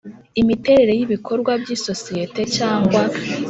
Imiterere y ibikorwa by isosiyete cyangwa